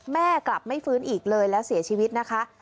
แม่กลับไม่ฟื้นอีกเลยแล้วเสียชีวิตนะคะ